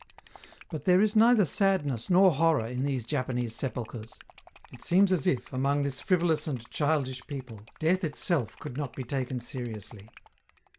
But there is neither sadness nor horror in these Japanese sepulchres; it seems as if, among this frivolous and childish people, death itself could not be taken seriously.